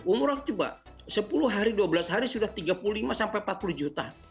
umroh coba sepuluh hari dua belas hari sudah tiga puluh lima sampai empat puluh juta